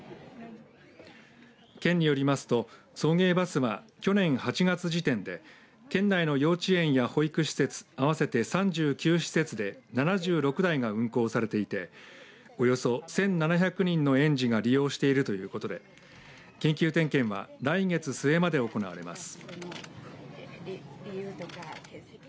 県によりますと送迎バスは去年８月時点で県内の幼稚園や保育施設合わせて３９施設で７６台が運行されていておよそ１７００人の園児が利用しているということで緊急点検は来月末まで行われます。